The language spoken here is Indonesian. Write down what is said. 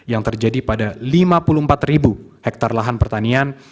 yang terjadi pada lima puluh empat ribu hektare lahan pertanian